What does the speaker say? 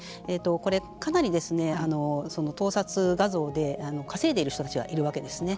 これ、かなり盗撮画像で稼いでいる人たちがいるわけですね。